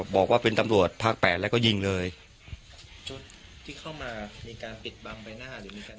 บอกว่าเป็นตำรวจภาคแปดแล้วก็ยิงเลยจนที่เข้ามามีการปิดบังใบหน้าหรือมีการ